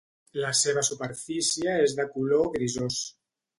La seva superfície és de color grisós.